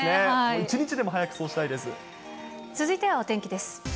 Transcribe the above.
一日でも早くそ続いてはお天気です。